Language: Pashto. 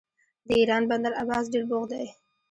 د ایران بندر عباس ډیر بوخت دی.